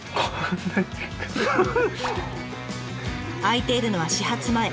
空いているのは始発前。